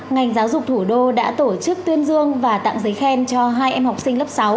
ngành giáo dục thủ đô đã tổ chức tuyên dương và tặng giấy khen cho hai em học sinh lớp sáu